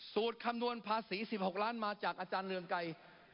คำนวณภาษี๑๖ล้านมาจากอาจารย์เรืองไกร